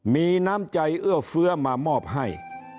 มีน้ำใจเอื้อเฟื้อมามอบให้